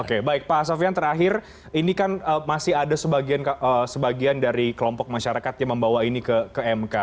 oke baik pak sofian terakhir ini kan masih ada sebagian dari kelompok masyarakat yang membawa ini ke mk